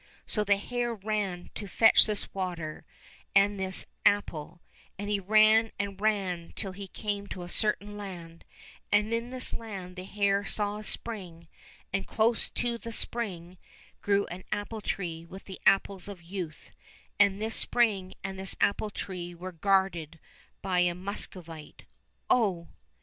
So the hare ran to fetch this water and this 76 LITTLE TSAR NOVISHNY apple, and he ran and ran till he came to a certain land, and in this land the hare saw a spring, and close to the spring grew an apple tree with the apples of youth, and this spring and this apple tree were guarded by a Mus covite, oh